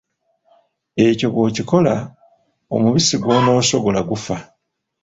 Ekyo bw’okikola omubisi gw’onoosogola gufa.